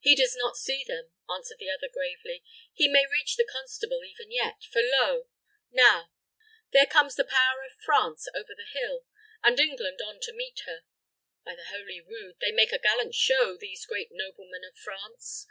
"He does not see them," answered the other, gravely. "He may reach the constable, even yet; for lo, now! there comes the power of France over the hill; and England on to meet her. By the holy rood! they make a gallant show, these great noblemen of France.